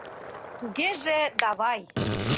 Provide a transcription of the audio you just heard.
— Тугеже, давай!